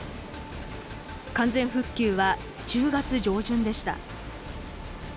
完全復旧は１０月上旬でした。